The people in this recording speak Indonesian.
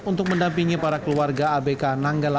untuk mendampingi para keluarga abk nanggala empat ratus dua